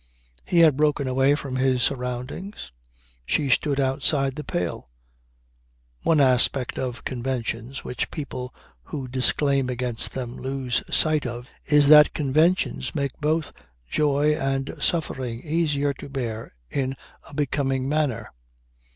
He had broken away from his surroundings; she stood outside the pale. One aspect of conventions which people who declaim against them lose sight of is that conventions make both joy and suffering easier to bear in a becoming manner.